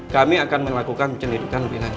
kami akan melakukan penyelidikan lebih lanjut